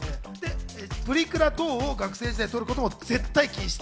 プリクラ等を学生時代に撮ることも絶対禁止。